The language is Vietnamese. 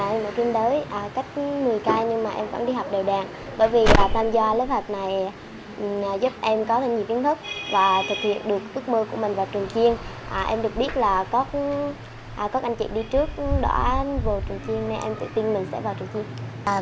em được biết là có các anh chị đi trước đỏ anh vào trường trung học nên em tự tin mình sẽ vào trường trung học